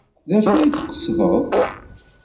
D acu ay d-tqesdeḍ?